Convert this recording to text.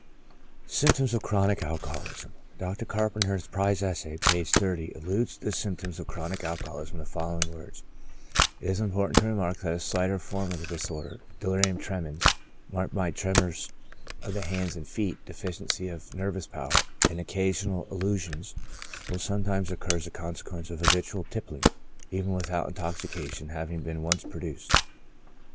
SYMPTOMS OF CHRONIC ALCOHOLISM. Dr. Carpenter in his Prize Essay, (p. 30,) alludes to the symptoms of chronic alcoholism in the following words :" It is important to remark that a slighter form of this dis order, (delirium tremens,) marked by tremors of the hands and feet, deficiency of nervous power, and occasional illu sions, will sometimes occur as a consequence of habitual tippling, even without intoxication having been once pro duced.